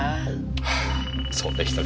はぁそうでしたか。